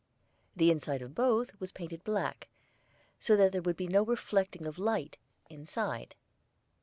The inside of both was painted black, so that there would be no reflecting of light inside.